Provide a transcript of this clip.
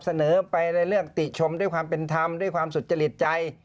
เสนอไปในเรื่องติชมด้วยความเป็นธรรมด้วยความสุจริตใจ